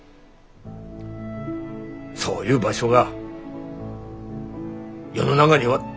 そういう場所が世の中には必要なんだ。